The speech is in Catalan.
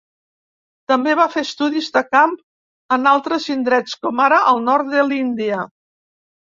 També va fer estudis de camp en altres indrets, com ara el nord de l'Índia.